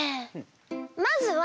まずは。